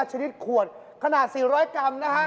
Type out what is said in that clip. ชนิดขวดขนาด๔๐๐กรัมนะฮะ